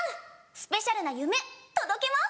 スペシャルな夢届けます！」。